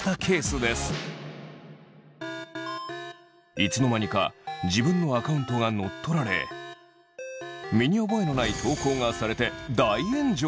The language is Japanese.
いつの間にか自分のアカウントがのっとられ身に覚えのない投稿がされて大炎上！